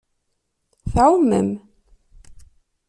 Tɛumem.